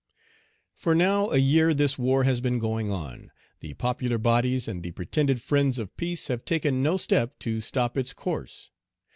"For now a year this war has been going on; the popular bodies and the pretended friends of peace have taken no step to stop its course.